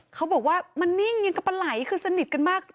เขาบอกว่ามันนิ่งอย่างกับปลาไหลคือสนิทกันมาก